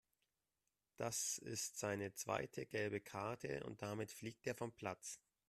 Das ist seine zweite gelbe Karte und damit fliegt er vom Platz.